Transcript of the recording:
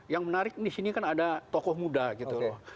yang menarik disini kan ada tokoh muda gitu loh